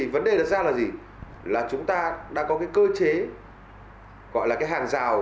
vấn đề đặt ra là gì là chúng ta đã có cái cơ chế gọi là cái hàng rào